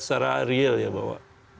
secara real ya bahwa